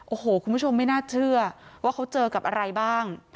โอ้โหคุณผู้ชมไม่น่าเชื่อว่าเขาเจอกับอะไรบ้าง